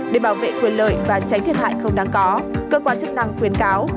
để bảo vệ quyền lợi và tránh thiệt hại không đáng có cơ quan chức năng khuyến cáo